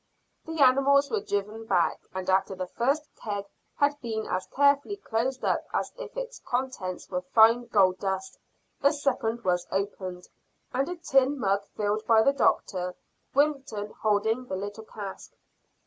The animals were driven back, and after the first keg had been as carefully closed up as if its contents were fine gold dust, the second was opened, and a tin mug filled by the doctor, Wilton holding the little cask.